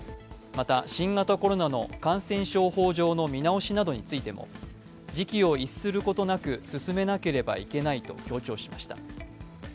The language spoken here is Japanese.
また、新型コロナの感染症法上の見直しなどについても、時期を逸することなく進めなければいけないと強調しました。